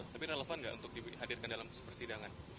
tapi relevan nggak untuk dihadirkan dalam persidangan